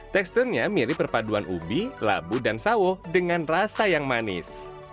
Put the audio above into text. teksturnya mirip perpaduan ubi labu dan sawo dengan rasa yang manis